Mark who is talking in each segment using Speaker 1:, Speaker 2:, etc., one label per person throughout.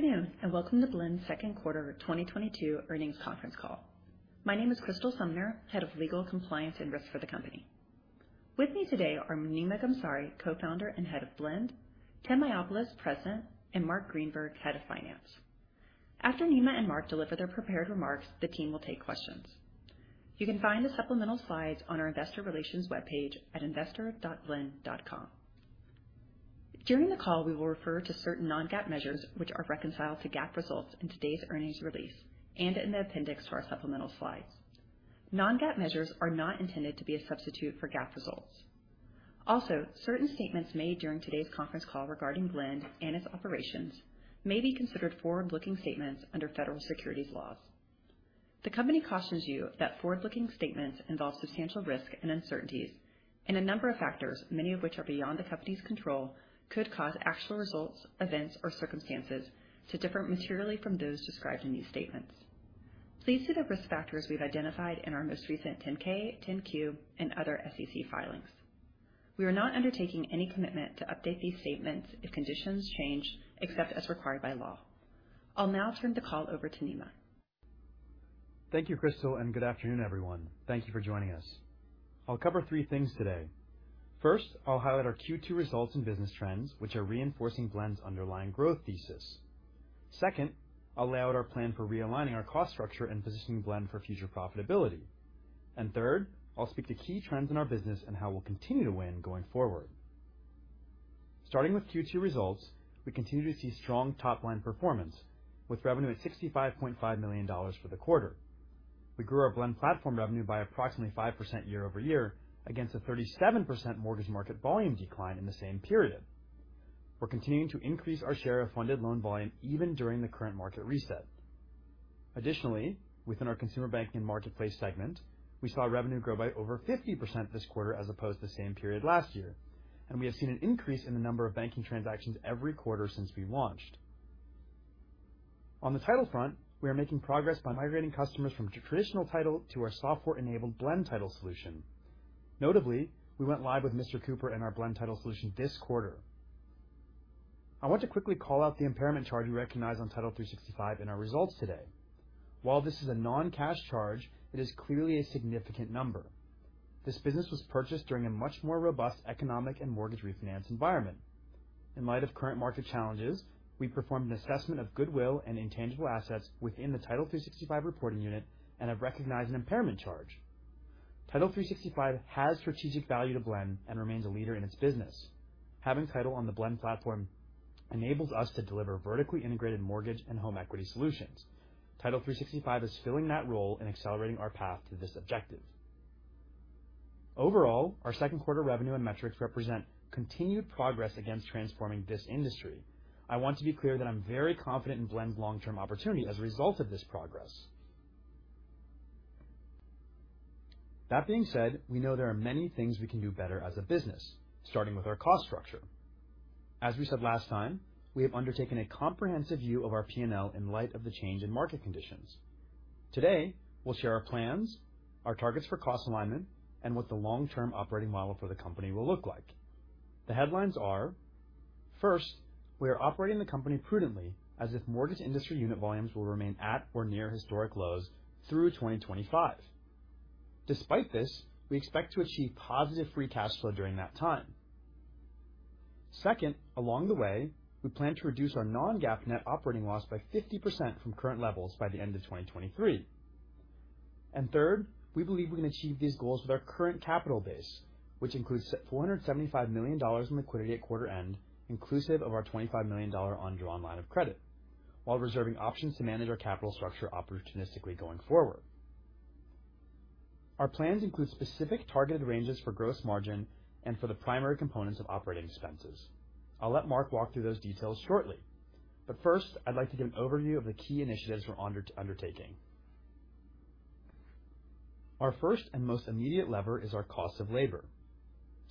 Speaker 1: Good afternoon, and welcome to Blend's Second Quarter 2022 Earnings Conference Call. My name is Crystal Sumner, Head of Legal Compliance and Risk for the company. With me today are Nima Ghamsari, Co-founder and Head of Blend, Tim Mayopoulos, President, and Marc Greenberg, Head of Finance. After Nima and Marc deliver their prepared remarks, the team will take questions. You can find the supplemental slides on our investor relations webpage at investor.blend.com. During the call, we will refer to certain non-GAAP measures which are reconciled to GAAP results in today's earnings release and in the appendix to our supplemental slides. Non-GAAP measures are not intended to be a substitute for GAAP results. Also, certain statements made during today's conference call regarding Blend and its operations may be considered forward-looking statements under federal securities laws. The company cautions you that forward-looking statements involve substantial risk and uncertainties, and a number of factors, many of which are beyond the company's control, could cause actual results, events, or circumstances to differ materially from those described in these statements. Please see the risk factors we've identified in our most recent 10-K, 10-Q and other SEC filings. We are not undertaking any commitment to update these statements if conditions change, except as required by law. I'll now turn the call over to Nima.
Speaker 2: Thank you, Crystal, and good afternoon, everyone. Thank you for joining us. I'll cover three things today. First, I'll highlight our Q2 results and business trends, which are reinforcing Blend's underlying growth thesis. Second, I'll lay out our plan for realigning our cost structure and positioning Blend for future profitability. Third, I'll speak to key trends in our business and how we'll continue to win going forward. Starting with Q2 results, we continue to see strong top-line performance, with revenue at $65.5 million for the quarter. We grew our Blend platform revenue by approximately 5% year-over-year against a 37% mortgage market volume decline in the same period. We're continuing to increase our share of funded loan volume even during the current market reset. Additionally, within our consumer banking marketplace segment, we saw revenue grow by over 50% this quarter as opposed to same period last year, and we have seen an increase in the number of banking transactions every quarter since we launched. On the title front, we are making progress by migrating customers from traditional title to our software-enabled Blend Title solution. Notably, we went live with Mr. Cooper and our Blend Title solution this quarter. I want to quickly call out the impairment charge we recognized on Title365 in our results today. While this is a non-cash charge, it is clearly a significant number. This business was purchased during a much more robust economic and mortgage refinance environment. In light of current market challenges, we performed an assessment of goodwill and intangible assets within the Title365 reporting unit and have recognized an impairment charge. Title365 has strategic value to Blend and remains a leader in its business. Having Title365 on the Blend platform enables us to deliver vertically integrated mortgage and home equity solutions. Title365 is filling that role in accelerating our path to this objective. Overall, our second quarter revenue and metrics represent continued progress against transforming this industry. I want to be clear that I'm very confident in Blend's long-term opportunity as a result of this progress. That being said, we know there are many things we can do better as a business, starting with our cost structure. As we said last time, we have undertaken a comprehensive view of our P&L in light of the change in market conditions. Today, we'll share our plans, our targets for cost alignment, and what the long-term operating model for the company will look like. The headlines are. First, we are operating the company prudently as if mortgage industry unit volumes will remain at or near historic lows through 2025. Despite this, we expect to achieve positive free cash flow during that time. Second, along the way, we plan to reduce our non-GAAP net operating loss by 50% from current levels by the end of 2023. Third, we believe we can achieve these goals with our current capital base, which includes $475 million in liquidity at quarter end, inclusive of our $25 million ongoing line of credit, while reserving options to manage our capital structure opportunistically going forward. Our plans include specific targeted ranges for gross margin and for the primary components of operating expenses. I'll let Marc walk through those details shortly, but first, I'd like to give an overview of the key initiatives we're undertaking. Our first and most immediate lever is our cost of labor.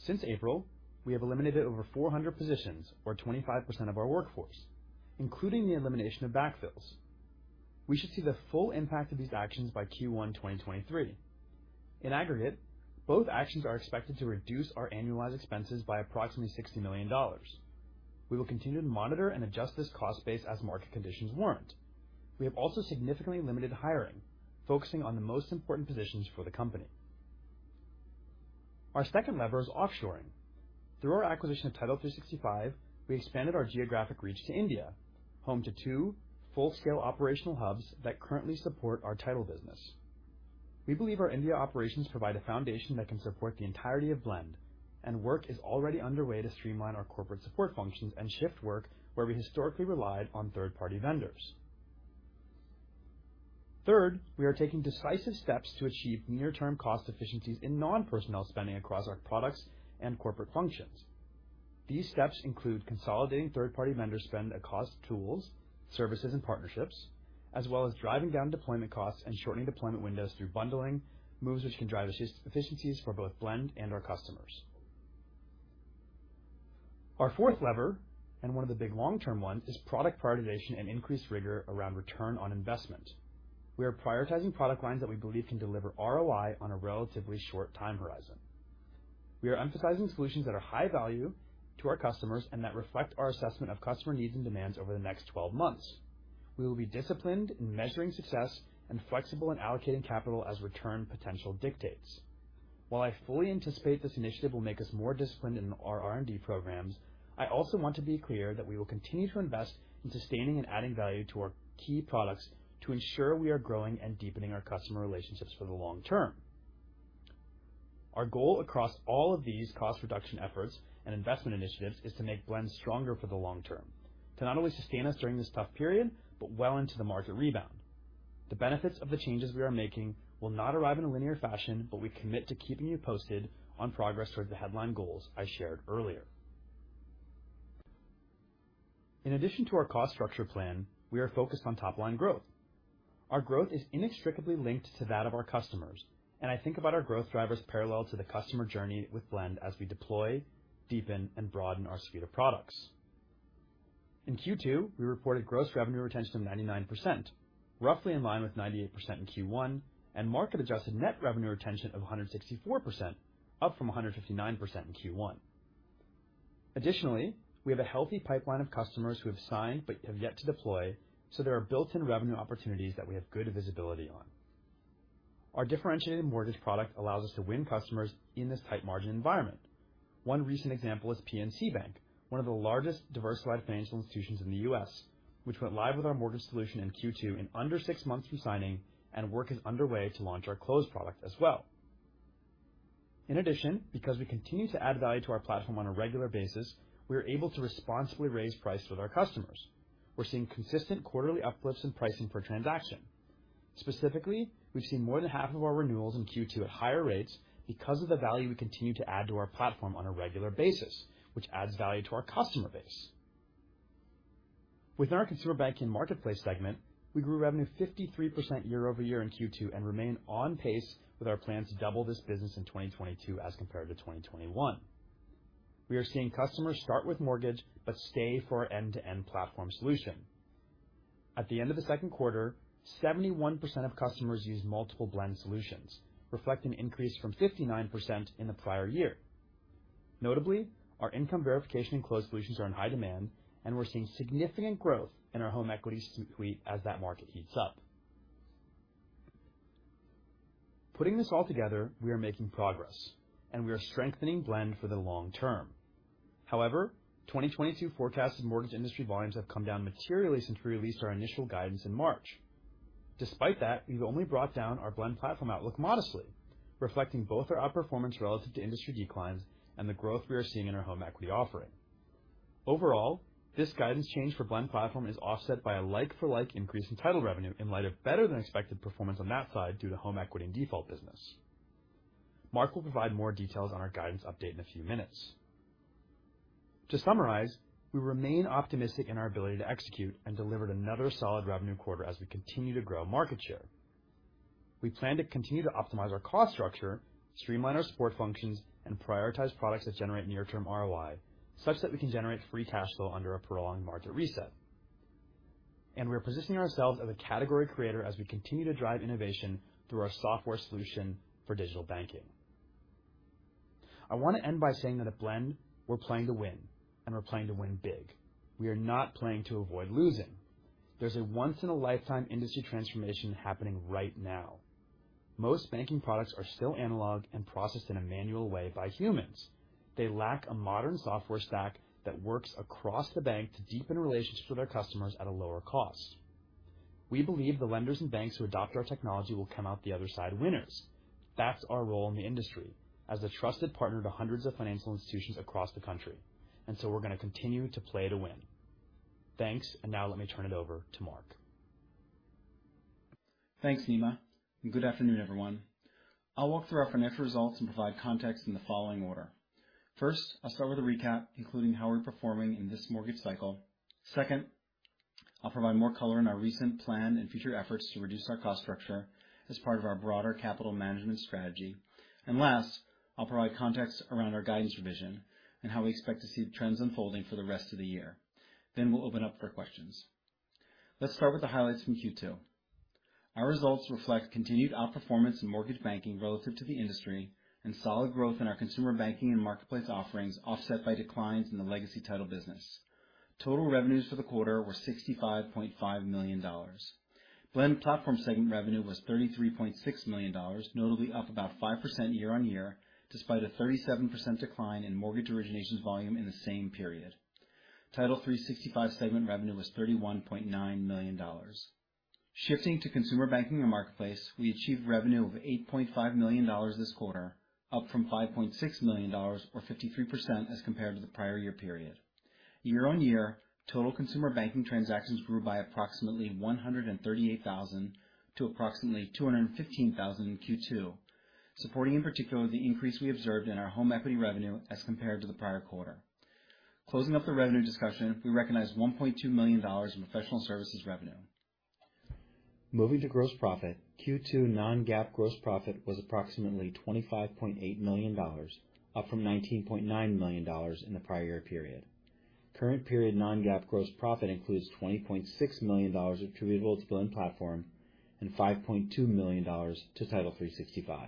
Speaker 2: Since April, we have eliminated over 400 positions or 25% of our workforce, including the elimination of backfills. We should see the full impact of these actions by Q1 2023. In aggregate, both actions are expected to reduce our annualized expenses by approximately $60 million. We will continue to monitor and adjust this cost base as market conditions warrant. We have also significantly limited hiring, focusing on the most important positions for the company. Our second lever is offshoring. Through our acquisition of Title365, we expanded our geographic reach to India, home to two full-scale operational hubs that currently support our title business. We believe our India operations provide a foundation that can support the entirety of Blend, and work is already underway to streamline our corporate support functions and shift work where we historically relied on third-party vendors. Third, we are taking decisive steps to achieve near-term cost efficiencies in non-personnel spending across our products and corporate functions. These steps include consolidating third-party vendor spend across tools, services, and partnerships, as well as driving down deployment costs and shortening deployment windows through bundling moves which can drive efficiencies for both Blend and our customers. Our fourth lever, and one of the big long-term ones, is product prioritization and increased rigor around return on investment. We are prioritizing product lines that we believe can deliver ROI on a relatively short time horizon. We are emphasizing solutions that are high value to our customers and that reflect our assessment of customer needs and demands over the next 12 months. We will be disciplined in measuring success and flexible in allocating capital as return potential dictates. While I fully anticipate this initiative will make us more disciplined in our R&D programs, I also want to be clear that we will continue to invest in sustaining and adding value to our key products to ensure we are growing and deepening our customer relationships for the long term. Our goal across all of these cost reduction efforts and investment initiatives is to make Blend stronger for the long term, to not only sustain us during this tough period, but well into the market rebound. The benefits of the changes we are making will not arrive in a linear fashion, but we commit to keeping you posted on progress towards the headline goals I shared earlier. In addition to our cost structure plan, we are focused on top line growth. Our growth is inextricably linked to that of our customers, and I think about our growth drivers parallel to the customer journey with Blend as we deploy, deepen, and broaden our suite of products. In Q2, we reported gross revenue retention of 99%, roughly in line with 98% in Q1, and market-adjusted net revenue retention of 164%, up from 159% in Q1. Additionally, we have a healthy pipeline of customers who have signed but have yet to deploy, so there are built-in revenue opportunities that we have good visibility on. Our differentiated mortgage product allows us to win customers in this tight margin environment. One recent example is PNC Bank, one of the largest diversified financial institutions in the U.S., which went live with our mortgage solution in Q2 in under six months from signing, and work is underway to launch our close product as well. In addition, because we continue to add value to our platform on a regular basis, we are able to responsibly raise price with our customers. We're seeing consistent quarterly uplifts in pricing per transaction. Specifically, we've seen more than half of our renewals in Q2 at higher rates because of the value we continue to add to our platform on a regular basis, which adds value to our customer base. Within our consumer banking marketplace segment, we grew revenue 53% year-over-year in Q2 and remain on pace with our plan to double this business in 2022 as compared to 2021. We are seeing customers start with mortgage but stay for our end-to-end platform solution. At the end of the second quarter, 71% of customers used multiple Blend solutions, reflecting increase from 59% in the prior year. Notably, our income verification and close solutions are in high demand, and we're seeing significant growth in our home equity suite as that market heats up. Putting this all together, we are making progress, and we are strengthening Blend for the long term. However, 2022 forecasted mortgage industry volumes have come down materially since we released our initial guidance in March. Despite that, we've only brought down our Blend Platform outlook modestly, reflecting both our outperformance relative to industry declines and the growth we are seeing in our home equity offering. Overall, this guidance change for Blend Platform is offset by a like-for-like increase in Title revenue in light of better than expected performance on that side due to home equity and default business. Marc will provide more details on our guidance update in a few minutes. To summarize, we remain optimistic in our ability to execute and delivered another solid revenue quarter as we continue to grow market share. We plan to continue to optimize our cost structure, streamline our support functions, and prioritize products that generate near-term ROI, such that we can generate free cash flow under a prolonged market reset. We're positioning ourselves as a category creator as we continue to drive innovation through our software solution for digital banking. I want to end by saying that at Blend, we're playing to win, and we're playing to win big. We are not playing to avoid losing. There's a once-in-a-lifetime industry transformation happening right now. Most banking products are still analog and processed in a manual way by humans. They lack a modern software stack that works across the bank to deepen relationships with their customers at a lower cost. We believe the lenders and banks who adopt our technology will come out the other side winners. That's our role in the industry as a trusted partner to hundreds of financial institutions across the country. We're going to continue to play to win. Thanks. Now let me turn it over to Marc.
Speaker 3: Thanks, Nima, and good afternoon, everyone. I'll walk through our financial results and provide context in the following order. First, I'll start with a recap, including how we're performing in this mortgage cycle. Second, I'll provide more color on our recent plan and future efforts to reduce our cost structure as part of our broader capital management strategy. Last, I'll provide context around our guidance revision and how we expect to see trends unfolding for the rest of the year. We'll open up for questions. Let's start with the highlights from Q2. Our results reflect continued outperformance in mortgage banking relative to the industry and solid growth in our consumer banking and marketplace offerings, offset by declines in the legacy title business. Total revenues for the quarter were $65.5 million. Blend Platform segment revenue was $33.6 million, notably up about 5% year-on-year, despite a 37% decline in mortgage originations volume in the same period. Title365 segment revenue was $31.9 million. Shifting to consumer banking and marketplace, we achieved revenue of $8.5 million this quarter, up from $5.6 million or 53% as compared to the prior year period. Year-on-year, total consumer banking transactions grew by approximately 138,000 to approximately 215,000 in Q2, supporting in particular the increase we observed in our home equity revenue as compared to the prior quarter. Closing up the revenue discussion, we recognized $1.2 million in professional services revenue. Moving to gross profit, Q2 non-GAAP gross profit was approximately $25.8 million, up from $19.9 million in the prior year period. Current period non-GAAP gross profit includes $20.6 million attributable to Blend Platform and $5.2 million to Title365.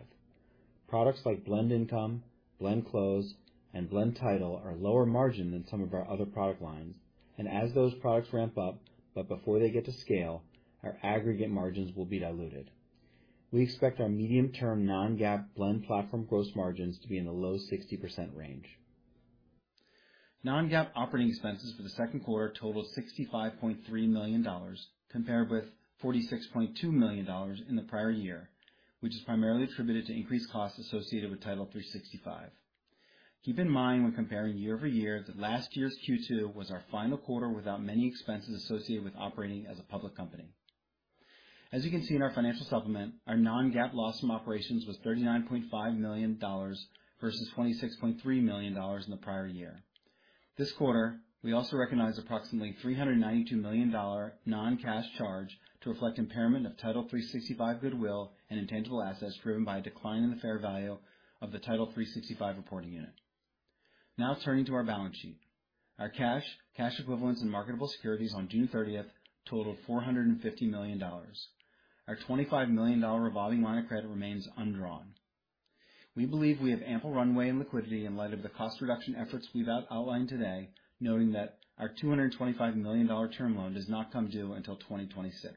Speaker 3: Products like Blend Income, Blend Close, and Blend Title are lower margin than some of our other product lines, and as those products ramp up, but before they get to scale, our aggregate margins will be diluted. We expect our medium-term non-GAAP Blend Platform gross margins to be in the low 60% range. Non-GAAP operating expenses for the second quarter totaled $65.3 million, compared with $46.2 million in the prior year, which is primarily attributed to increased costs associated with Title365. Keep in mind when comparing year-over-year that last year's Q2 was our final quarter without many expenses associated with operating as a public company. As you can see in our financial supplement, our non-GAAP loss from operations was $39.5 million versus $26.3 million in the prior year. This quarter, we also recognized approximately $392 million non-cash charge to reflect impairment of Title365 goodwill and intangible assets driven by a decline in the fair value of the Title365 reporting unit. Now turning to our balance sheet. Our cash equivalents, and marketable securities on June thirtieth totaled $450 million. Our $25 million revolving line of credit remains undrawn. We believe we have ample runway and liquidity in light of the cost reduction efforts we've outlined today, noting that our $225 million term loan does not come due until 2026.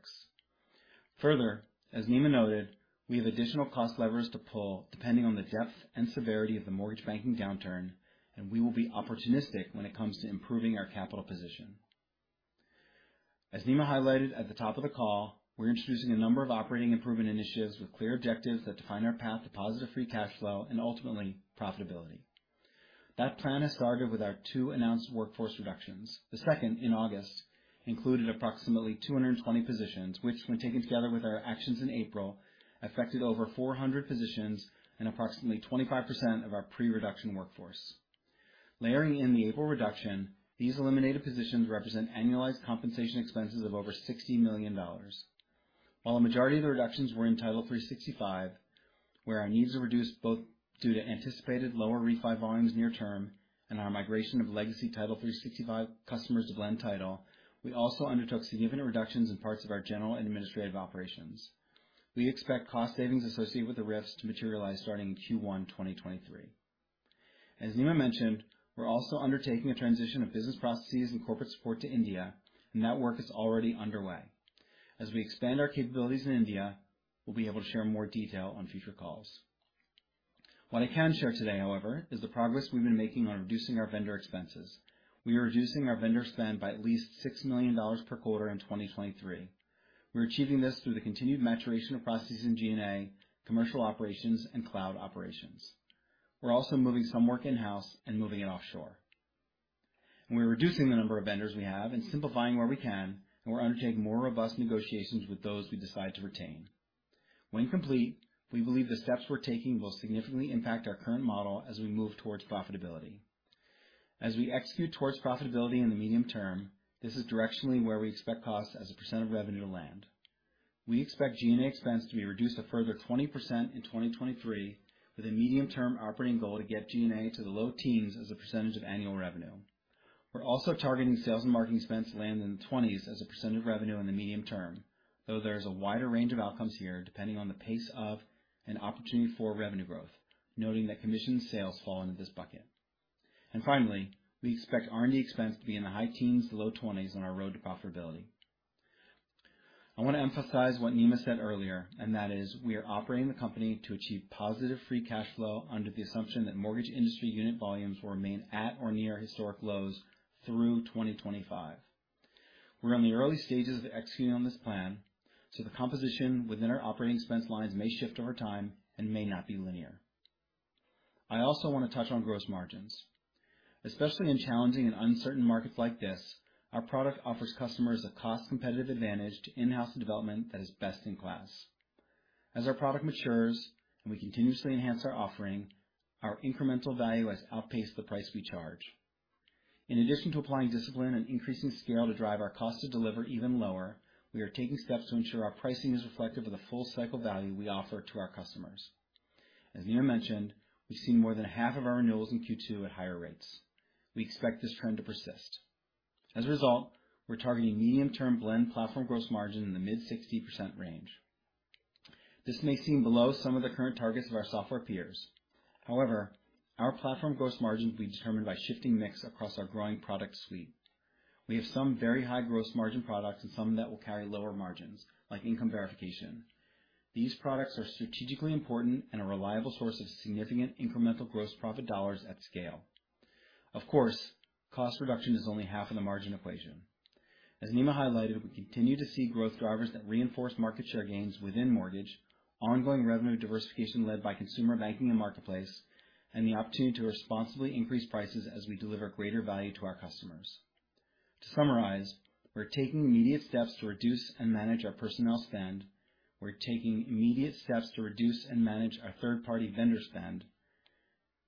Speaker 3: Further, as Nima noted, we have additional cost levers to pull depending on the depth and severity of the mortgage banking downturn, and we will be opportunistic when it comes to improving our capital position. As Nima highlighted at the top of the call, we're introducing a number of operating improvement initiatives with clear objectives that define our path to positive free cash flow and ultimately profitability. That plan has started with our two announced workforce reductions. The second in August included approximately 220 positions, which when taken together with our actions in April, affected over 400 positions and approximately 25% of our pre-reduction workforce. Layering in the April reduction, these eliminated positions represent annualized compensation expenses of over $60 million. While a majority of the reductions were in Title365, where our needs were reduced both due to anticipated lower refi volumes near term and our migration of legacy Title365 customers to Blend Title, we also undertook significant reductions in parts of our general and administrative operations. We expect cost savings associated with the RIFs to materialize starting in Q1 2023. As Nima mentioned, we're also undertaking a transition of business processes and corporate support to India, and that work is already underway. As we expand our capabilities in India, we'll be able to share more detail on future calls. What I can share today, however, is the progress we've been making on reducing our vendor expenses. We are reducing our vendor spend by at least $6 million per quarter in 2023. We're achieving this through the continued maturation of processes in G&A, commercial operations, and cloud operations. We're also moving some work in-house and moving it offshore. We're reducing the number of vendors we have and simplifying where we can, and we're undertaking more robust negotiations with those we decide to retain. When complete, we believe the steps we're taking will significantly impact our current model as we move towards profitability. As we execute towards profitability in the medium term, this is directionally where we expect costs as a % of revenue to land. We expect G&A expense to be reduced a further 20% in 2023, with a medium-term operating goal to get G&A to the low teens% of annual revenue. We're also targeting sales and marketing expense to land in the 20s% of revenue in the medium term, though there is a wider range of outcomes here depending on the pace of and opportunity for revenue growth, noting that commission sales fall into this bucket. Finally, we expect R&D expense to be in the high 10s-low 20s on our road to profitability. I want to emphasize what Nima said earlier, and that is we are operating the company to achieve positive free cash flow under the assumption that mortgage industry unit volumes will remain at or near historic lows through 2025. We're in the early stages of executing on this plan, so the composition within our operating expense lines may shift over time and may not be linear. I also want to touch on gross margins. Especially in challenging and uncertain markets like this, our product offers customers a cost-competitive advantage to in-house development that is best in class. As our product matures and we continuously enhance our offering, our incremental value has outpaced the price we charge. In addition to applying discipline and increasing scale to drive our cost to deliver even lower, we are taking steps to ensure our pricing is reflective of the full cycle value we offer to our customers. As Nima mentioned, we've seen more than half of our renewals in Q2 at higher rates. We expect this trend to persist. As a result, we're targeting medium-term Blend Platform gross margin in the mid-60% range. This may seem below some of the current targets of our software peers. However, our platform gross margin will be determined by shifting mix across our growing product suite. We have some very high gross margin products and some that will carry lower margins, like income verification. These products are strategically important and a reliable source of significant incremental gross profit dollars at scale. Of course, cost reduction is only half of the margin equation. As Nima highlighted, we continue to see growth drivers that reinforce market share gains within mortgage, ongoing revenue diversification led by consumer banking and marketplace, and the opportunity to responsibly increase prices as we deliver greater value to our customers. To summarize, we're taking immediate steps to reduce and manage our personnel spend. We're taking immediate steps to reduce and manage our third-party vendor spend.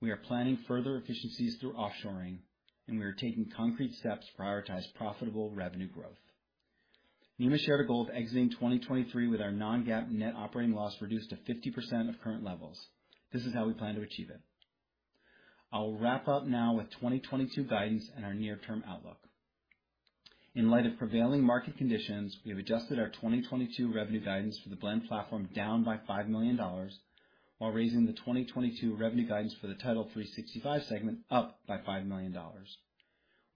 Speaker 3: We are planning further efficiencies through offshoring, and we are taking concrete steps to prioritize profitable revenue growth. Nima shared a goal of exiting 2023 with our non-GAAP net operating loss reduced to 50% of current levels. This is how we plan to achieve it. I'll wrap up now with 2022 guidance and our near-term outlook. In light of prevailing market conditions, we have adjusted our 2022 revenue guidance for the Blend Platform down by $5 million while raising the 2022 revenue guidance for the Title365 segment up by $5 million.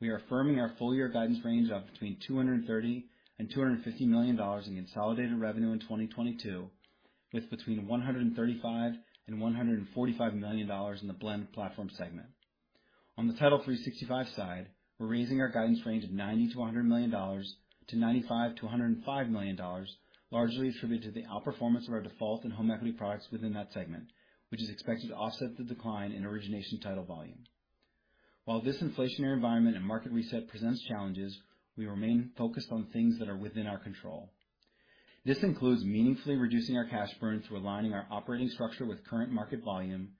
Speaker 3: We are affirming our full year guidance range of between $230 million and $250 million in consolidated revenue in 2022, with between $135 million and $145 million in the Blend Platform segment. On the Title365 side, we're raising our guidance range of $90-$100 million to $95-$105 million, largely attributed to the outperformance of our default and home equity products within that segment, which is expected to offset the decline in origination title volume. While this inflationary environment and market reset presents challenges, we remain focused on things that are within our control. This includes meaningfully reducing our cash burn through aligning our operating structure with current market volume,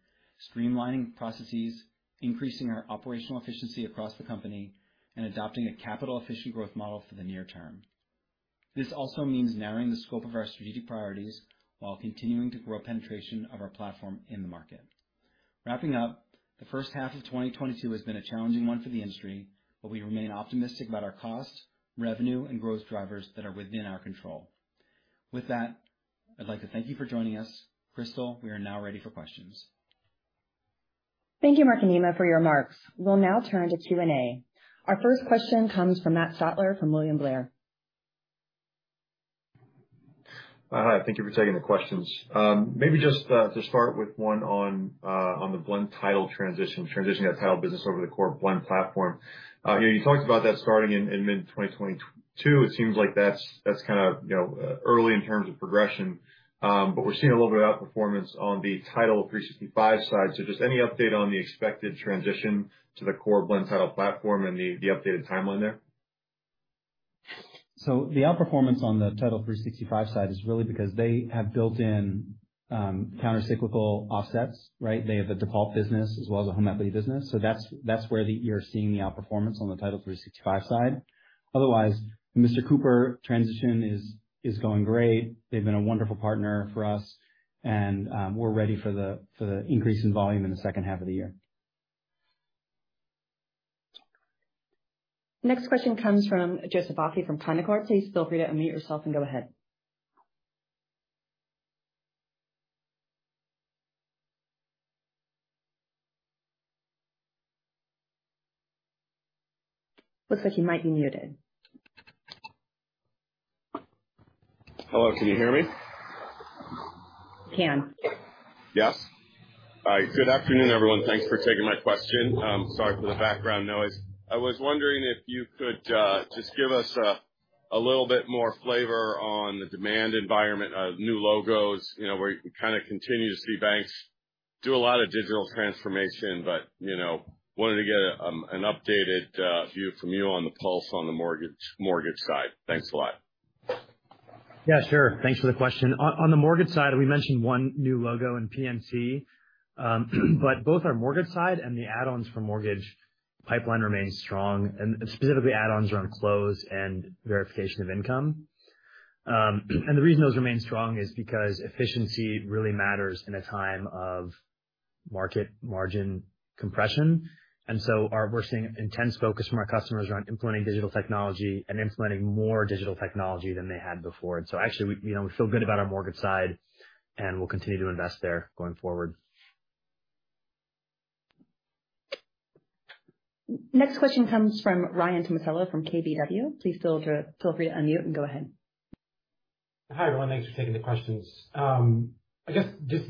Speaker 3: streamlining processes, increasing our operational efficiency across the company, and adopting a capital-efficient growth model for the near term. This also means narrowing the scope of our strategic priorities while continuing to grow penetration of our platform in the market. Wrapping up, the first half of 2022 has been a challenging one for the industry, but we remain optimistic about our costs, revenue, and growth drivers that are within our control. With that, I'd like to thank you for joining us. Crystal, we are now ready for questions.
Speaker 1: Thank you, Marc and Nima, for your remarks. We'll now turn to Q&A. Our first question comes from Matt Stotler from William Blair.
Speaker 4: Hi. Thank you for taking the questions. Maybe just to start with one on the Blend Title transition, transitioning that title business over to the core Blend platform. You know, you talked about that starting in mid-2022. It seems like that's kind of early in terms of progression, but we're seeing a little bit of outperformance on the Title365 side. Just any update on the expected transition to the core Blend Title platform and the updated timeline there?
Speaker 3: The outperformance on the Title365 side is really because they have built in countercyclical offsets, right? They have the default business as well as the home equity business. That's where you're seeing the outperformance on the Title365 side. Otherwise, the Mr. Cooper transition is going great. They've been a wonderful partner for us, and we're ready for the increase in volume in the second half of the year.
Speaker 1: Next question comes from Joseph Vafi from Canaccord Genuity. Please feel free to unmute yourself and go ahead. Looks like he might be muted.
Speaker 5: Hello, can you hear me?
Speaker 1: Can.
Speaker 5: Yes. All right. Good afternoon, everyone. Thanks for taking my question. Sorry for the background noise. I was wondering if you could just give us a little bit more flavor on the demand environment of new logos, you know, where you can kind of continue to see banks do a lot of digital transformation, but, you know, wanted to get an updated view from you on the pulse on the mortgage side. Thanks a lot.
Speaker 3: Yeah, sure. Thanks for the question. On the mortgage side, we mentioned one new logo in PNC. Both our mortgage side and the add-ons for mortgage pipeline remains strong, and specifically add-ons around close and verification of income. The reason those remain strong is because efficiency really matters in a time of market margin compression. We're seeing intense focus from our customers around implementing digital technology and implementing more digital technology than they had before. Actually, you know, we feel good about our mortgage side, and we'll continue to invest there going forward.
Speaker 1: Next question comes from Ryan Tomasello from KBW. Please feel free to unmute and go ahead.
Speaker 6: Hi, everyone. Thanks for taking the questions. I guess just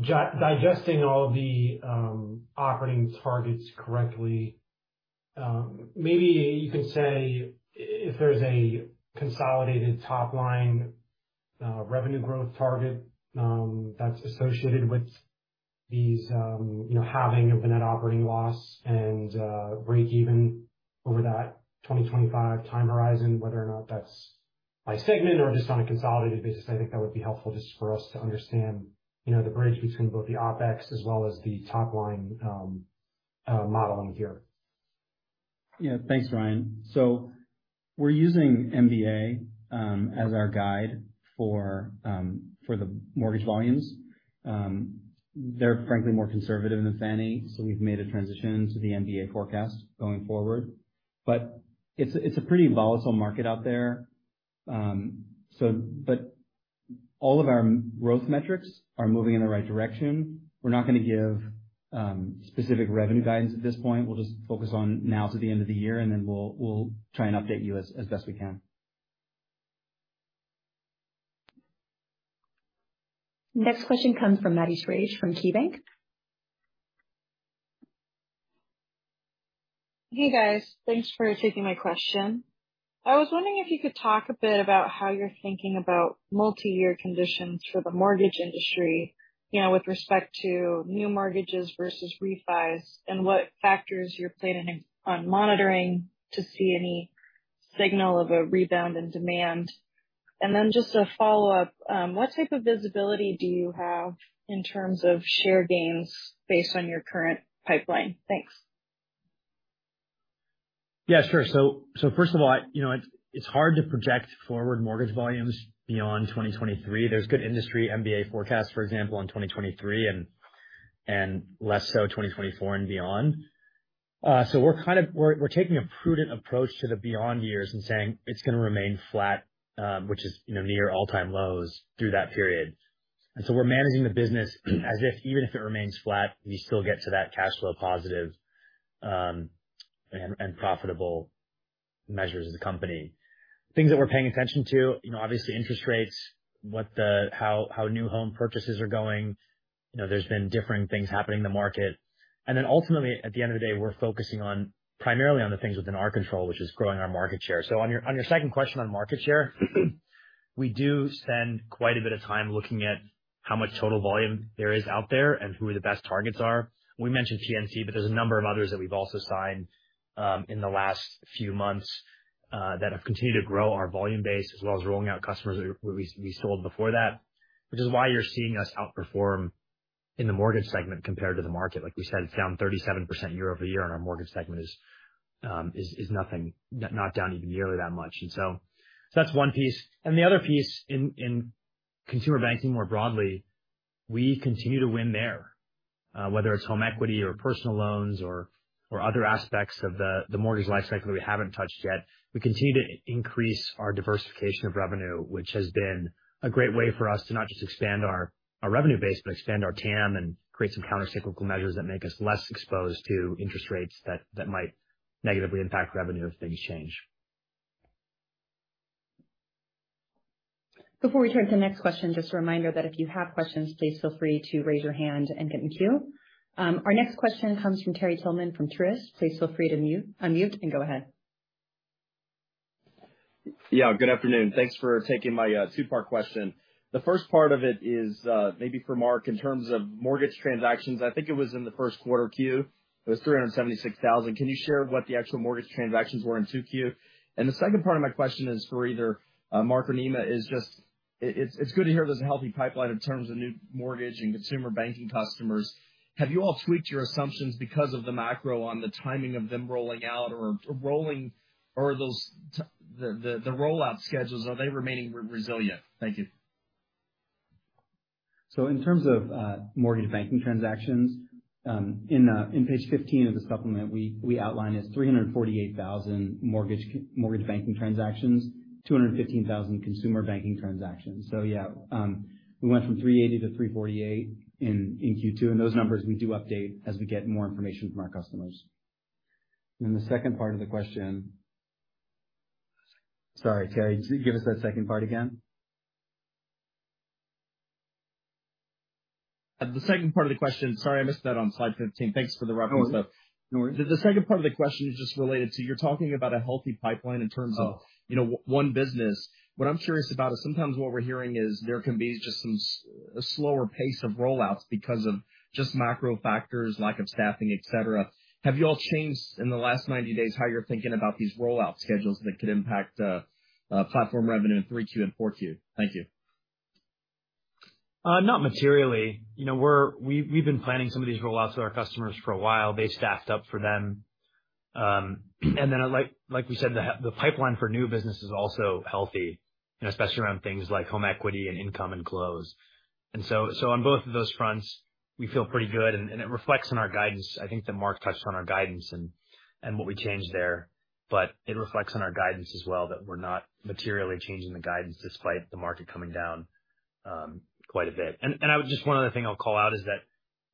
Speaker 6: digesting all the operating targets correctly, maybe you could say if there's a consolidated top line revenue growth target that's associated with these, you know, halving of the net operating loss and break even over that 2025 time horizon, whether or not that's by segment or just on a consolidated basis. I think that would be helpful just for us to understand, you know, the bridge between both the OpEx as well as the top line modeling here.
Speaker 3: Yeah. Thanks, Ryan. We're using MBA as our guide for the mortgage volumes. They're frankly more conservative than Fannie, so we've made a transition to the MBA forecast going forward. It's a pretty volatile market out there. All of our growth metrics are moving in the right direction. We're not gonna give specific revenue guidance at this point. We'll just focus on now to the end of the year, and then we'll try and update you as best we can.
Speaker 1: Next question comes from Maddie Schrage from KeyBanc.
Speaker 7: Hey, guys. Thanks for taking my question. I was wondering if you could talk a bit about how you're thinking about multi-year conditions for the mortgage industry, you know, with respect to new mortgages versus refis and what factors you're planning on monitoring to see any signal of a rebound in demand. Just a follow-up: what type of visibility do you have in terms of share gains based on your current pipeline? Thanks.
Speaker 2: Yeah, sure. First of all, you know, it's hard to project forward mortgage volumes beyond 2023. There's good industry MBA forecasts, for example, in 2023 and less so 2024 and beyond. We're taking a prudent approach to the beyond years and saying it's gonna remain flat, which is, you know, near all-time lows through that period. We're managing the business as if even if it remains flat, we still get to that cash flow positive and profitable measures of the company. Things that we're paying attention to, you know, obviously interest rates, how new home purchases are going. You know, there's been differing things happening in the market. Ultimately, at the end of the day, we're focusing on primarily on the things within our control, which is growing our market share. On your, on your second question on market share, we do spend quite a bit of time looking at how much total volume there is out there and who the best targets are. We mentioned PNC, but there's a number of others that we've also signed in the last few months that have continued to grow our volume base as well as rolling out customers that we sold before that, which is why you're seeing us outperform in the mortgage segment compared to the market. Like we said, it's down 37% year-over-year on our mortgage segment is nothing, not down even yearly that much. That's one piece. The other piece in consumer banking more broadly, we continue to win there, whether it's home equity or personal loans or other aspects of the mortgage life cycle that we haven't touched yet. We continue to increase our diversification of revenue, which has been a great way for us to not just expand our revenue base, but expand our TAM and create some countercyclical measures that make us less exposed to interest rates that might negatively impact revenue if things change.
Speaker 1: Before we turn to the next question, just a reminder that if you have questions, please feel free to raise your hand and get in queue. Our next question comes from Terry Tillman from Truist. Please feel free to mute, unmute and go ahead.
Speaker 8: Yeah, good afternoon. Thanks for taking my two-part question. The first part of it is maybe for Mark in terms of mortgage transactions. I think it was in the first quarter Q. It was 376,000. Can you share what the actual mortgage transactions were in 2Q? The second part of my question is for either Marc or Nima. It's good to hear there's a healthy pipeline in terms of new mortgage and consumer banking customers. Have you all tweaked your assumptions because of the macro on the timing of them rolling out? Are those the rollout schedules remaining resilient? Thank you.
Speaker 3: In terms of mortgage banking transactions, in page 15 of the supplement, we outline 348,000 mortgage banking transactions, 215,000 consumer banking transactions. Yeah, we went from 380 to 348 in Q2, and those numbers we do update as we get more information from our customers. The second part of the question. Sorry, Terry, could you give us that second part again?
Speaker 8: The second part of the question, sorry, I missed that on slide 15. Thanks for the reference though.
Speaker 3: No worries.
Speaker 8: The second part of the question is just related to, you're talking about a healthy pipeline in terms of.
Speaker 3: Oh.
Speaker 8: You know, one business. What I'm curious about is sometimes what we're hearing is there can be just a slower pace of rollouts because of just macro factors, lack of staffing, et cetera. Have you all changed in the last 90 days how you're thinking about these rollout schedules that could impact platform revenue in 3Q and 4Q? Thank you.
Speaker 2: Not materially. You know, we've been planning some of these rollouts with our customers for a while. They staffed up for them. Like we said, the pipeline for new business is also healthy, you know, especially around things like home equity and income and close. On both of those fronts, we feel pretty good, and it reflects in our guidance. I think that Mark touched on our guidance and what we changed there, but it reflects in our guidance as well that we're not materially changing the guidance despite the market coming down quite a bit. I would just call out one other thing.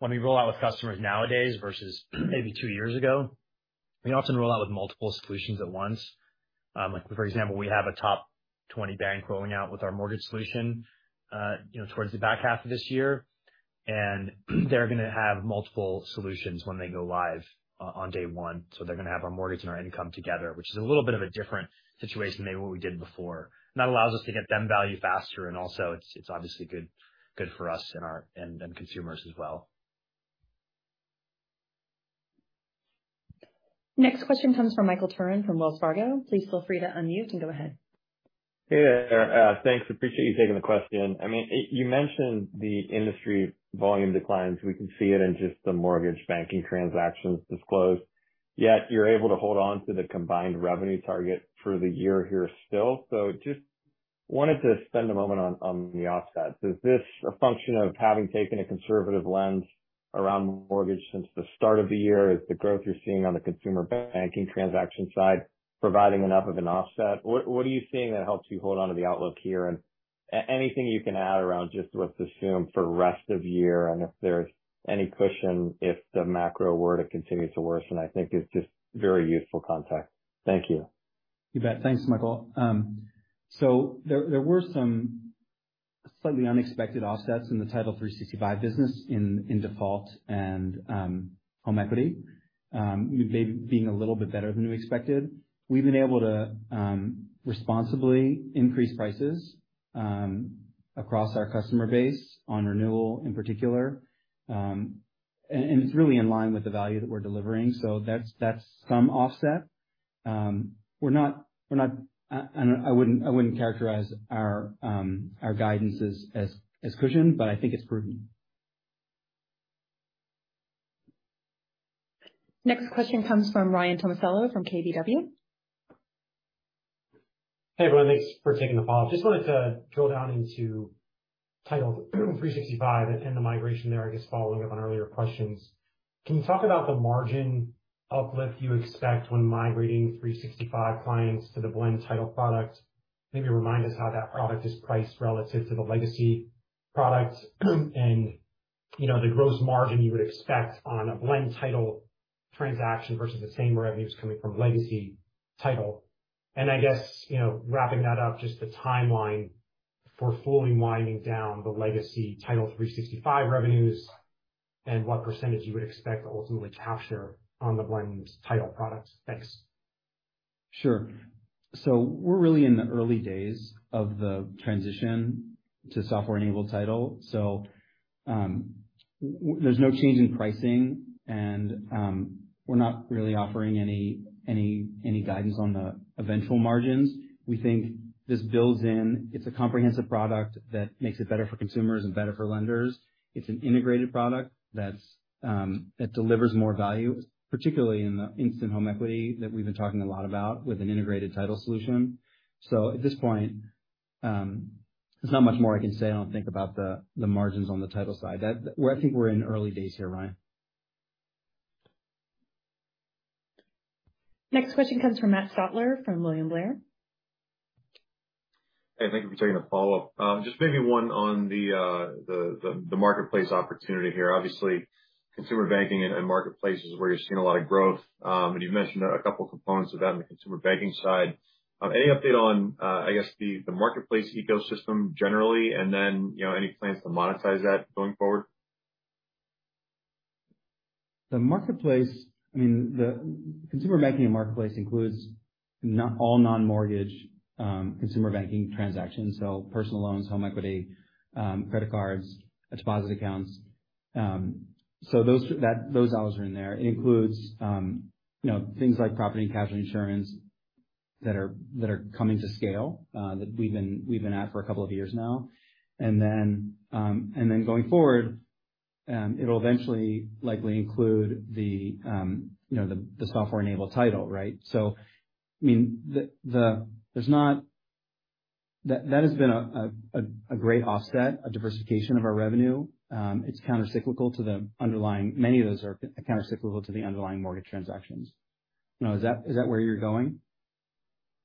Speaker 2: When we roll out with customers nowadays versus maybe two years ago, we often roll out with multiple solutions at once. Like for example, we have a top 20 bank rolling out with our mortgage solution, you know, towards the back half of this year. They're gonna have multiple solutions when they go live on day one. They're gonna have our mortgage and our income together, which is a little bit of a different situation than what we did before. That allows us to get them value faster and also it's obviously good for us and our consumers as well.
Speaker 1: Next question comes from Michael Turrin from Wells Fargo. Please feel free to unmute and go ahead.
Speaker 9: Hey there. Thanks. Appreciate you taking the question. I mean, you mentioned the industry volume declines. We can see it in just the mortgage banking transactions disclosed. Yet you're able to hold on to the combined revenue target for the year here still. Just wanted to spend a moment on the offsets. Is this a function of having taken a conservative lens around mortgage since the start of the year? Is the growth you're seeing on the consumer banking transaction side providing enough of an offset? What are you seeing that helps you hold onto the outlook here? Anything you can add around just what's assumed for rest of year and if there's any cushion if the macro were to continue to worsen, I think is just very useful context. Thank you.
Speaker 3: You bet. Thanks, Michael. There were some slightly unexpected offsets in the Title365 business in default and home equity, maybe being a little bit better than we expected. We've been able to responsibly increase prices across our customer base on renewal in particular. It's really in line with the value that we're delivering. That's some offset. I wouldn't characterize our guidance as cushioned, but I think it's prudent.
Speaker 1: Next question comes from Ryan Tomasello from KBW.
Speaker 6: Hey, everyone. Thanks for taking the call. Just wanted to drill down into Title365 and the migration there, I guess following up on earlier questions. Can you talk about the margin uplift you expect when migrating Title365 clients to the Blend Title product? Maybe remind us how that product is priced relative to the Legacy product and, you know, the gross margin you would expect on a Blend Title transaction versus the same revenues coming from Legacy Title. I guess, you know, wrapping that up, just the timeline for fully winding down the Legacy Title Title365 revenues and what percentage you would expect to ultimately capture on the Blend Title product. Thanks.
Speaker 3: Sure. We're really in the early days of the transition to software-enabled Title. There's no change in pricing and, we're not really offering any guidance on the eventual margins. We think this builds in. It's a comprehensive product that makes it better for consumers and better for lenders. It's an integrated product that's that delivers more value, particularly in the instant home equity that we've been talking a lot about with an integrated title solution. At this point, there's not much more I can say, I don't think, about the margins on the title side. I think we're in early days here, Ryan.
Speaker 1: Next question comes from Matt Stotler from William Blair.
Speaker 4: Hey, thank you for taking the follow-up. Just maybe one on the marketplace opportunity here. Obviously, consumer banking and marketplace is where you're seeing a lot of growth. You've mentioned a couple components of that on the consumer banking side. Any update on, I guess the marketplace ecosystem generally, and then, you know, any plans to monetize that going forward?
Speaker 3: The consumer banking and marketplace includes all non-mortgage consumer banking transactions, so personal loans, home equity, credit cards, deposit accounts. Those dollars are in there. It includes, you know, things like property and casualty insurance that are coming to scale, that we've been at for a couple of years now. Then going forward, it'll eventually likely include the software-enabled Title, right? So, I mean, that has been a great offset, a diversification of our revenue. It's countercyclical to the underlying, many of those are countercyclical to the underlying mortgage transactions. Now, is that where you're going,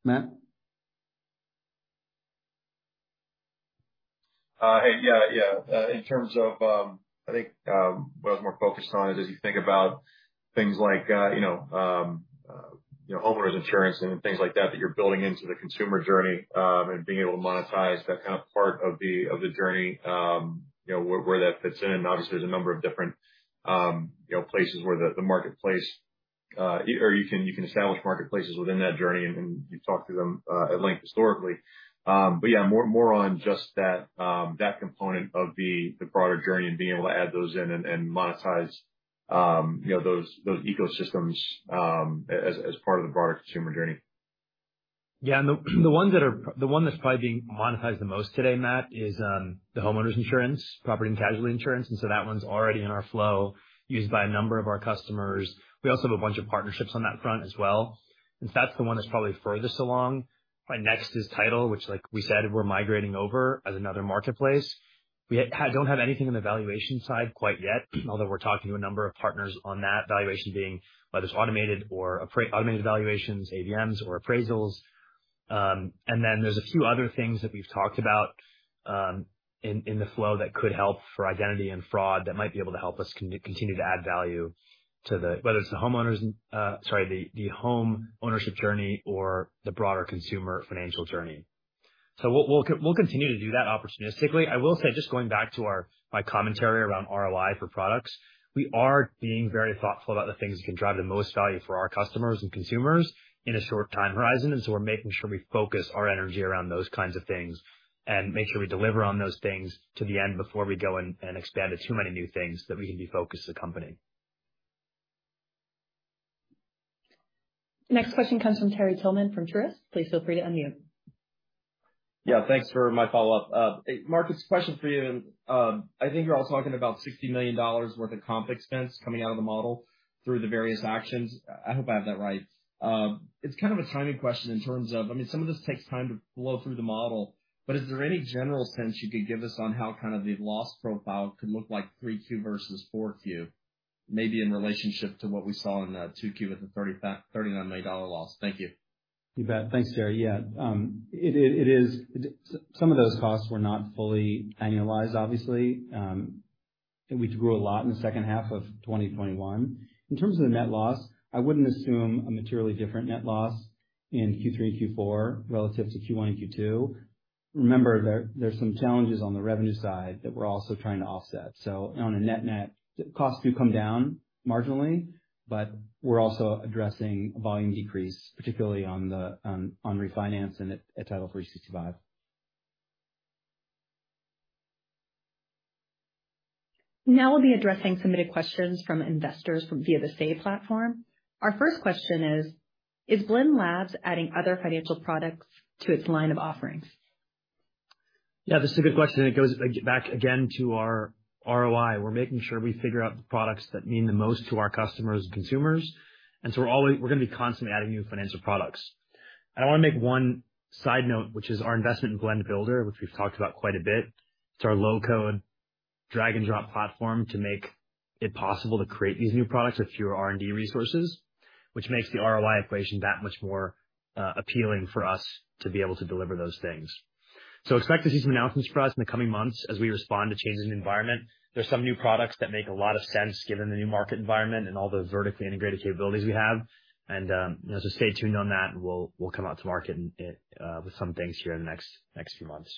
Speaker 3: Matt?
Speaker 4: Yeah, yeah. In terms of, I think, what I was more focused on is as you think about things like, you know, homeowners insurance and things like that you're building into the consumer journey, and being able to monetize that kind of part of the journey, you know, where that fits in. Obviously, there's a number of different, you know, places where the marketplace, or you can establish marketplaces within that journey, and you've talked to them at length historically. Yeah, more on just that component of the broader journey and being able to add those in and monetize, you know, those ecosystems, as part of the broader consumer journey.
Speaker 2: The one that's probably being monetized the most today, Matt, is the homeowner's insurance, property and casualty insurance. That one's already in our flow, used by a number of our customers. We also have a bunch of partnerships on that front as well. That's the one that's probably furthest along. Right next is Title, which like we said, we're migrating over as another marketplace. We don't have anything in the valuation side quite yet, although we're talking to a number of partners on that valuation being whether it's automated or automated valuations, AVMs or appraisals. There's a few other things that we've talked about in the flow that could help for identity and fraud that might be able to help us continue to add value to whether it's the home ownership journey or the broader consumer financial journey. We'll continue to do that opportunistically. I will say, just going back to my commentary around ROI for products, we are being very thoughtful about the things that can drive the most value for our customers and consumers in a short time horizon. We're making sure we focus our energy around those kinds of things and make sure we deliver on those things to the end before we go and expand to too many new things that rededicate focus to the company.
Speaker 1: Next question comes from Terry Tillman from Truist. Please feel free to unmute.
Speaker 8: Yeah, thanks for my follow-up. Marc, it's a question for you. I think you're all talking about $60 million worth of comp expense coming out of the model through the various actions. I hope I have that right. It's kind of a timing question in terms of, I mean, some of this takes time to flow through the model, but is there any general sense you could give us on how kind of the loss profile could look like 3Q versus 4Q, maybe in relationship to what we saw in 2Q with the $39 million loss? Thank you.
Speaker 3: You bet. Thanks, Terry. Yeah. Some of those costs were not fully annualized, obviously. We grew a lot in the second half of 2021. In terms of the net loss, I wouldn't assume a materially different net loss in Q3 and Q4 relative to Q1 and Q2. Remember, there's some challenges on the revenue side that we're also trying to offset. On a net-net, costs do come down marginally, but we're also addressing a volume decrease, particularly on refinance and at Title365.
Speaker 1: Now we'll be addressing submitted questions from investors via the Say platform. Our first question is: Is Blend Labs adding other financial products to its line of offerings?
Speaker 2: Yeah, that's a good question, and it goes back again to our ROI. We're making sure we figure out the products that mean the most to our customers and consumers. We're gonna be constantly adding new financial products. I wanna make one side note, which is our investment in Blend Builder, which we've talked about quite a bit. It's our low-code drag-and-drop platform to make it possible to create these new products with fewer R&D resources, which makes the ROI equation that much more appealing for us to be able to deliver those things. Expect to see some announcements from us in the coming months as we respond to changes in environment. There's some new products that make a lot of sense given the new market environment and all the vertically integrated capabilities we have. You know, so stay tuned on that, and we'll come out to market and with some things here in the next few months.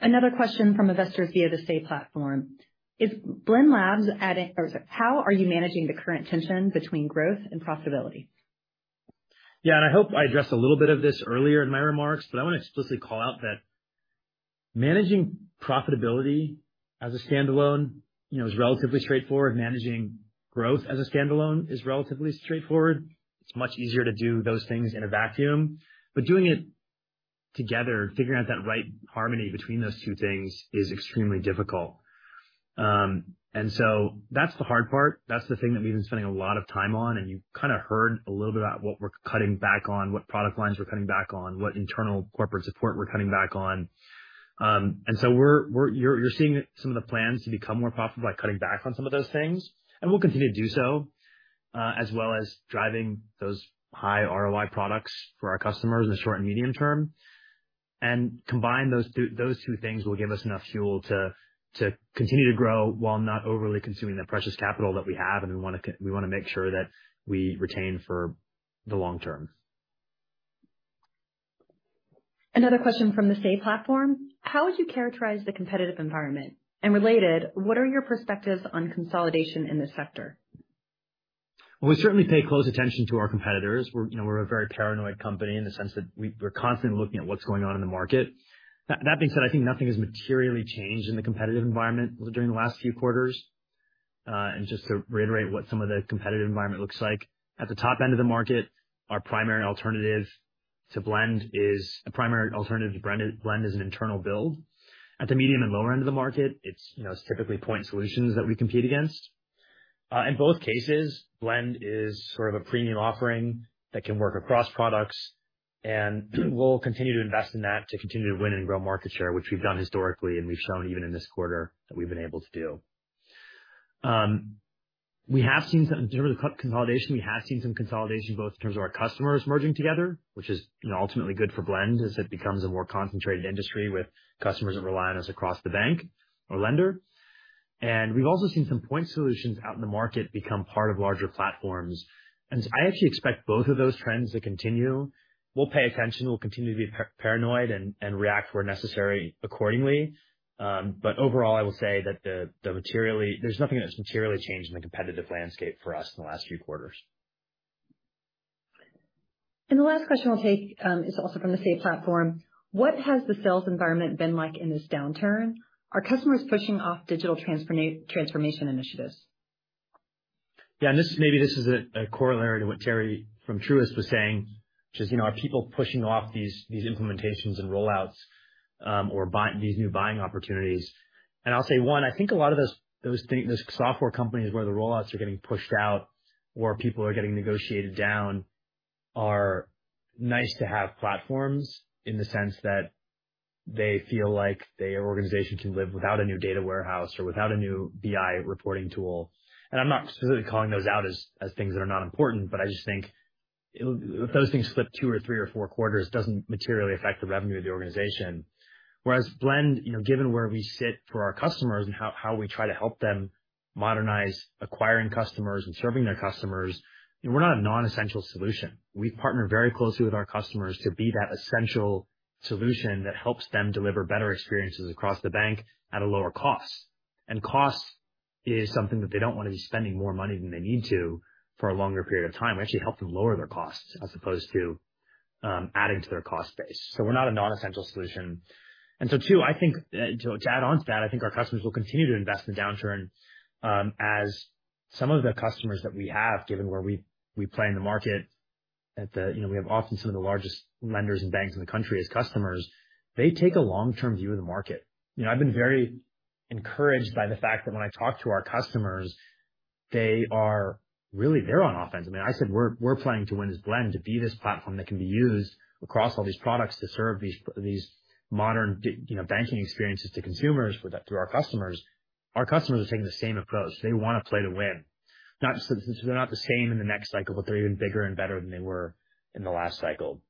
Speaker 1: Another question from investors via the Say platform. How are you managing the current tension between growth and profitability?
Speaker 2: Yeah, I hope I addressed a little bit of this earlier in my remarks, but I wanna explicitly call out that managing profitability as a standalone, you know, is relatively straightforward. Managing growth as a standalone is relatively straightforward. It's much easier to do those things in a vacuum. Doing it together, figuring out that right harmony between those two things is extremely difficult. That's the hard part. That's the thing that we've been spending a lot of time on, and you kinda heard a little bit about what we're cutting back on, what product lines we're cutting back on, what internal corporate support we're cutting back on. You're seeing some of the plans to become more profitable by cutting back on some of those things, and we'll continue to do so, as well as driving those high ROI products for our customers in the short and medium term. Combine those two things will give us enough fuel to continue to grow while not overly consuming the precious capital that we have, and we wanna make sure that we retain for the long term.
Speaker 1: Another question from the Say platform. How would you characterize the competitive environment? Related, what are your perspectives on consolidation in this sector?
Speaker 2: Well, we certainly pay close attention to our competitors. We're, you know, a very paranoid company in the sense that we're constantly looking at what's going on in the market. That being said, I think nothing has materially changed in the competitive environment during the last few quarters. Just to reiterate what some of the competitive environment looks like, at the top end of the market, our primary alternative to Blend is an internal build. At the medium and lower end of the market, it's, you know, typically point solutions that we compete against. In both cases, Blend is sort of a premium offering that can work across products, and we'll continue to invest in that to continue to win and grow market share, which we've done historically, and we've shown even in this quarter that we've been able to do. We have seen some, in terms of the consolidation, we have seen some consolidation both in terms of our customers merging together, which is, you know, ultimately good for Blend as it becomes a more concentrated industry with customers that rely on us across the bank or lender. We've also seen some point solutions out in the market become part of larger platforms. I actually expect both of those trends to continue. We'll pay attention. We'll continue to be paranoid and react where necessary accordingly. Overall, I will say that there's nothing that's materially changed in the competitive landscape for us in the last few quarters.
Speaker 1: The last question I'll take is also from the Say platform. What has the sales environment been like in this downturn? Are customers pushing off digital transformation initiatives?
Speaker 2: Yeah, maybe this is a corollary to what Terry from Truist was saying, which is, you know, are people pushing off these implementations and rollouts or these new buying opportunities? I'll say, one, I think a lot of those things, those software companies where the rollouts are getting pushed out or people are getting negotiated down are nice to have platforms in the sense that they feel like their organization can live without a new data warehouse or without a new BI reporting tool. I'm not specifically calling those out as things that are not important, but I just think if those things slip two or three or four quarters, it doesn't materially affect the revenue of the organization. Whereas Blend, you know, given where we sit for our customers and how we try to help them modernize acquiring customers and serving their customers, you know, we're not a non-essential solution. We partner very closely with our customers to be that essential solution that helps them deliver better experiences across the bank at a lower cost. Cost is something that they don't want to be spending more money than they need to for a longer period of time. We actually help them lower their costs as opposed to adding to their cost base. We're not a non-essential solution. Too, I think, to add on to that, I think our customers will continue to invest in downturn as some of the customers that we have, given where we play in the market, at the. You know, we have often some of the largest lenders and banks in the country as customers. They take a long-term view of the market. You know, I've been very encouraged by the fact that when I talk to our customers, they are really there on offense. I mean, I said we're playing to win as Blend, to be this platform that can be used across all these products to serve these modern you know, banking experiences to consumers with that through our customers. Our customers are taking the same approach. They wanna play to win. Not so they're not the same in the next cycle, but they're even bigger and better than they were in the last cycle.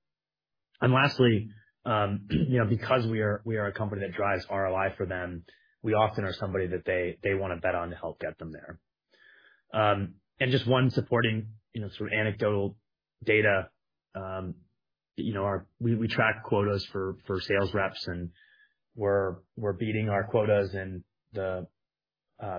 Speaker 2: Lastly, you know, because we are a company that drives ROI for them, we often are somebody that they wanna bet on to help get them there. Just one supporting, you know, sort of anecdotal data, you know, we track quotas for sales reps, and we're beating our quotas in the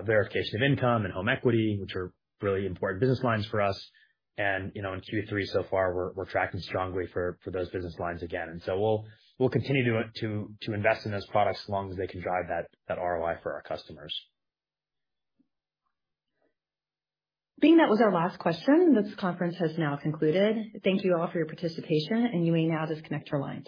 Speaker 2: verification of income and home equity, which are really important business lines for us. You know, in Q3 so far, we're tracking strongly for those business lines again. We'll continue to invest in those products as long as they can drive that ROI for our customers.
Speaker 1: Being our last question, this conference has now concluded. Thank you all for your participation, and you may now disconnect your lines.